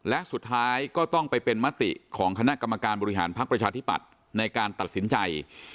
และสุดท้ายก็ต้องไปเป็นมติของคณะกรรมการบริหารพักประชาธิปัตย์ในการตัดสินใจ